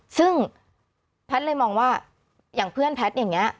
ซึ่งแพทย์เลยมองว่าอย่างเพื่อนแพทย์อย่างนี้